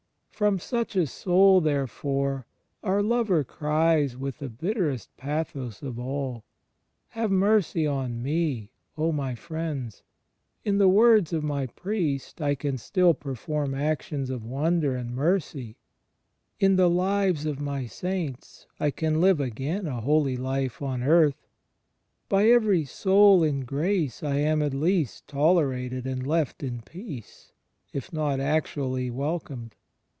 From such a soul, therefore, our Lover cries with the bitterest pathos of all — "Have mercy on me, my friends In the words of my priest I can stiU per form actions of wonder and mercy; in the lives of my Saints I can live again a holy life on earth; by every soul in grace I am at least tolerated and left in peace, if not actually welcomed.